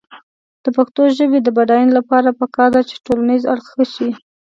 د پښتو ژبې د بډاینې لپاره پکار ده چې ټولنیز اړخ ښه شي.